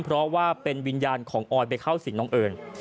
เพราะว่าเป็นวิญญาณของออยไปเข้าสิ่งน้องเอิญ